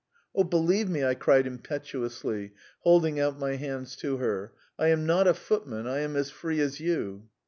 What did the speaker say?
"Oh, believe me!" I cried impetuously, holding out my hands to her. "I am not a footman; I am as free as you."